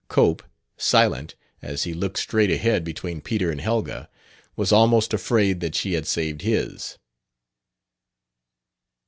Cope, silent as he looked straight ahead between Peter and Helga, was almost afraid that she had saved his.